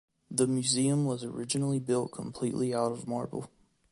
The museum was originally built completely out of marble.